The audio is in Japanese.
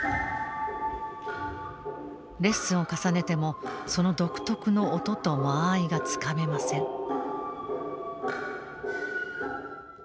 レッスンを重ねてもその独特の音と間合いがつかめません。